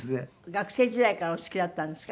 学生時代からお好きだったんですか？